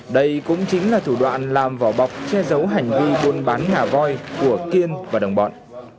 đây cũng chính là thủ đoạn làm vỏ bọc che giấu hành vi buôn bán ngà voi của kiên và đồng bọn